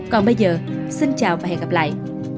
còn bây giờ xin chào và hẹn gặp lại